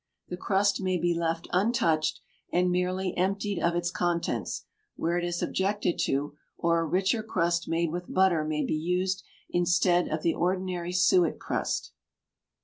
The crust may he left untouched and merely emptied of its contents, where it is objected to, or a richer crust made with butter may be used instead of the ordinary suet crust.